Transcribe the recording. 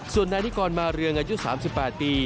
ส่วนนายที่ก่อนมาเรืองอายุ๓๘ปี